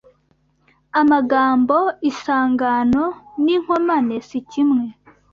Amagambo isangano ni inkomane si kimwe